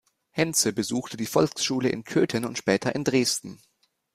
Henze besuchte die Volksschule in Köthen und später in Dresden.